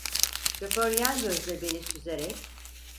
Şoför yan gözle beni süzerek: